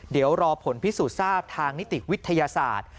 เดี๋ยวรอผลพิสูจน์ทราบทางนิติวิทยาศาสตร์